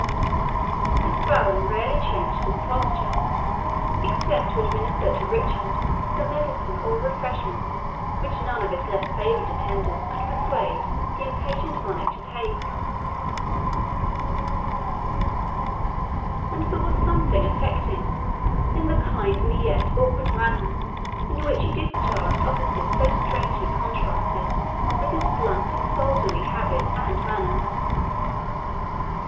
This Baron rarely changed his posture, except to administer to Richard the medicine or refreshments which none of his less favoured attendants could persuade the impatient monarch to take; and there was something affecting in the kindly yet awkward manner in which he discharged offices so strangely contrasted with his blunt and soldierly habits and manners.